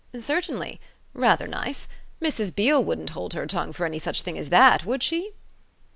"Certainly; rather nice. Mrs. Beale wouldn't hold her tongue for any such thing as that, would she?"